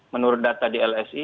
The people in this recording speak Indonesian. menurut data di lsi